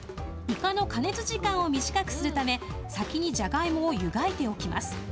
イカの加熱時間を短くするため、先にジャガイモを湯がいておきます。